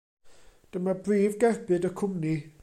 Dyma brif gerbyd y cwmni.